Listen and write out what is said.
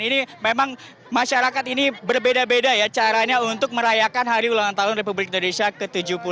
ini memang masyarakat ini berbeda beda ya caranya untuk merayakan hari ulang tahun republik indonesia ke tujuh puluh tujuh